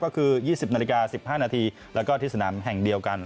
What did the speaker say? ก็คือ๒๐นาฬิกา๑๕นาทีแล้วก็ที่สนามแห่งเดียวกัน